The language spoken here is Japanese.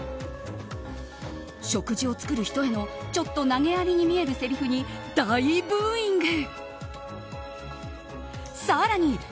食事を作る人へのちょっと投げやりに見えるせりふに大ブーイング。